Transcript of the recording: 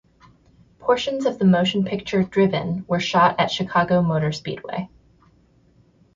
Portions of the motion picture "Driven" were shot at Chicago Motor Speedway.